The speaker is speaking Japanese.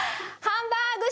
ハンバーグ！